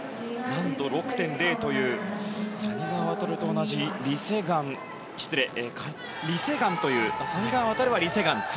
難度６．０という谷川航と同じリ・セグァンという谷川航はリ・セグァン２